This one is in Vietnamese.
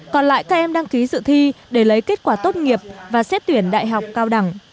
còn lại các em đăng ký dự thi để lấy kết quả tốt nghiệp và xét tuyển đại học cao đẳng